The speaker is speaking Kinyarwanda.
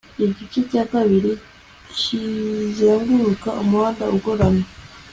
Igice cya kabiri kizenguruka umuhanda ugoramye